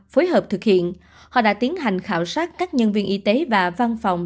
phối hợp thực hiện họ đã tiến hành khảo sát các nhân viên y tế và văn phòng